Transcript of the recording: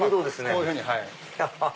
こういうふうに。